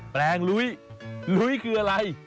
แปลงลุ้ยลุ้ยคืออะไร